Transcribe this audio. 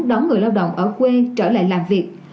đón người lao động ở quê trở lại làm việc